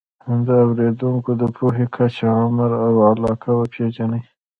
د اورېدونکو د پوهې کچه، عمر او علاقه وپېژنئ.